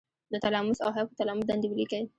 د تلاموس او هایپو تلاموس دندې ولیکئ.